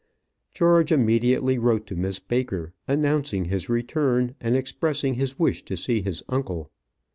George immediately wrote to Miss Baker, announcing his return, and expressing his wish to see his uncle.